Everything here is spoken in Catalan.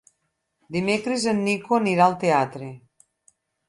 Dimecres en Nico anirà al teatre.